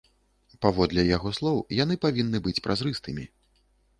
Паводле яго слоў, яны павінны быць празрыстымі.